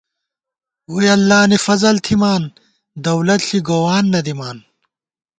ووئی اللہ نی فضل تھِمان، دولت ݪی گووان نہ دِمان